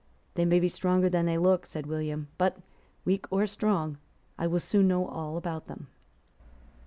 "They may be stronger than they look," said William; "but, weak or strong, I will soon know all about them."